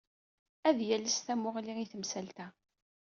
Ad yales tamuɣli i temsalt-a.